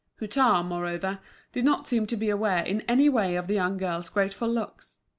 Hutin, moreover, did not seem to be aware in any way of the young girl's grateful looks.